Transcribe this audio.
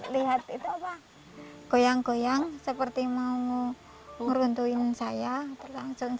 lihat itu apa goyang goyang seperti mau meruntuhin saya terlangsung saya